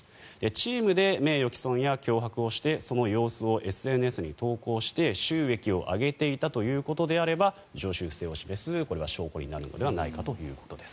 チームで名誉毀損や脅迫をしてその様子をＳＮＳに投稿して収益を上げていたということであれば常習性を示すこれは証拠になるのではないかということです。